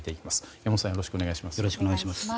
山本さんよろしくお願いします。